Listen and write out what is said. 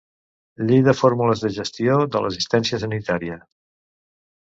Llei de fórmules de gestió de l'assistència sanitària.